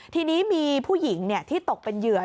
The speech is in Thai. ทีนี้มีผู้หญิงที่ตกเป็นเหยื่อ